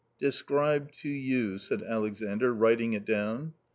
" Describe to you," said Alexandr, writing it down.